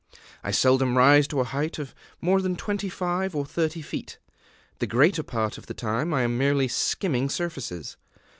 I seldom rise to a height of more than twenty five or thirty feet; the greater part of the time I am merely skimming surfaces.